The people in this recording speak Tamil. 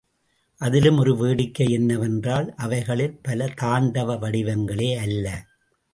அதிலும் ஒரு வேடிக்கை என்னவென்றால் அவைகளில் பல தாண்டவ வடிவங்களே அல்ல!